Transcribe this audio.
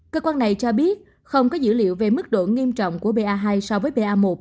cơ quan này cho biết không có dữ liệu về mức độ nghiêm trọng của ba so với pa một